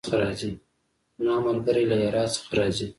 زما ملګری له هرات څخه راځی